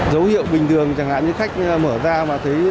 dấu hiệu bình thường chẳng hạn như khách mở ra mà thấy